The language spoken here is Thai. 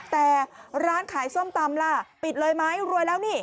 แต่ร้านขายส้มตำล่ะปิดเลยไหมรวยแล้วนี่